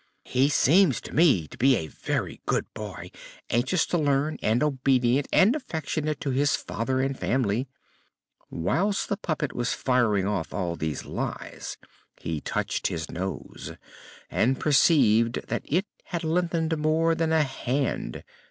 "He seems to me to be a very good boy, anxious to learn, and obedient and affectionate to his father and family." Whilst the puppet was firing off all these lies, he touched his nose and perceived that it had lengthened more than a hand.